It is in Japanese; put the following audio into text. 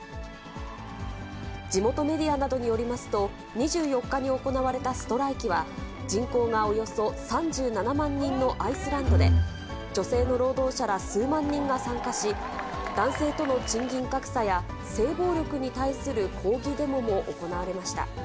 地元メディアなどによりますと、２４日に行われたストライキは、人口がおよそ３７万人のアイスランドで、女性の労働者ら数万人が参加し、男性との賃金格差や性暴力に対する抗議デモも行われました。